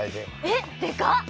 えっでかっ！